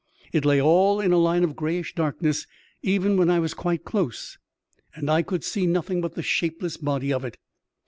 It lay all in a line of greyish darkness, even when I was quite close, and I could see nothing but the shapeless body of it.